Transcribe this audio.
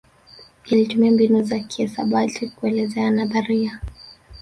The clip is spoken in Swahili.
Yalitumia mbinu za kihisabati kueleza nadharia